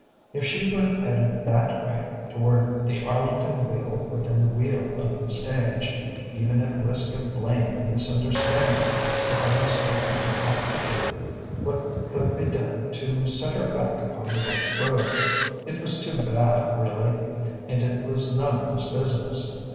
If she were headed that way, toward the Arlington wheel within the wheel of the stage, even at risk of blame and misunderstanding Matthias felt that he ought to do what could be done to set her back upon the right road. It was too bad, really. And it was none of his business.